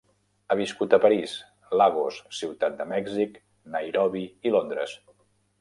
Ha viscut a París, Lagos, ciutat de Mèxic, Nairobi i Londres.